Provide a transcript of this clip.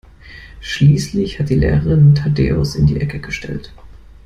Schließlich hat die Lehrerin Thaddäus in die Ecke gestellt.